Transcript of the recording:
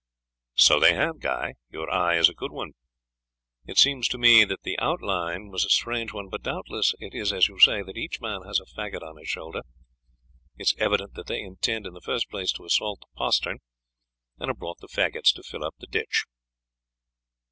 "So they have, Guy! Your eye is a good one. It seemed to me that the outline was a strange one, but doubtless it is as you say that each man has a faggot on his shoulder. It is evident that they intend, in the first place, to assault the postern, and have brought the faggots to fill up the ditch."